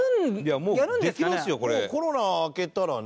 もうコロナあけたらね。